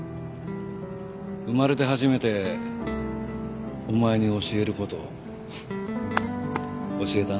生まれて初めてお前に教える事を教えたな。